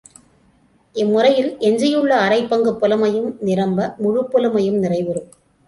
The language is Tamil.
இம் முறையில் எஞ்சியுள்ள அரைப் பங்குப் புலமையும் நிரம்ப, முழுப் புலமையும் நிறைவுறும்.